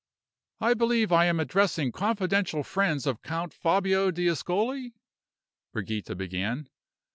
"I believe I am addressing confidential friends of Count Fabio d'Ascoli?" Brigida began.